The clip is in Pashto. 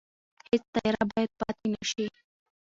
هیڅ تیاره باید پاتې نه شي.